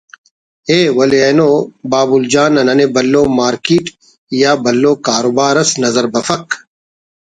ءِ) ولے اینو بابل جان نا ننے بھلو مارکیٹ یا بھلو کاروبار اس نظر بفک